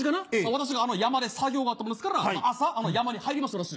私が山で作業があったもんですから朝山に入りました私。